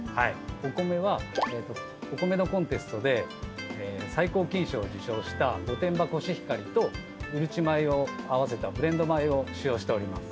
お米はお米のコンテストで最高金賞を受賞した御殿場コシヒカリとうるち米を合わせたブレンド米を使用しております。